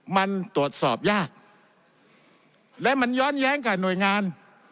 มันตรวจสอบยากและมันย้อนแย้งกับหน่วยงาน